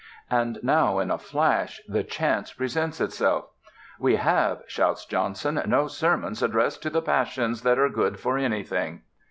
And now in a flash the chance presents itself. "We have," shouts Johnson, "no sermons addressed to the passions, that are good for anything."